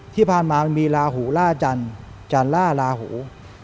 ที่ผ่านมามันมีลาหูล่าจันทร์จันทร์ล่าลาหู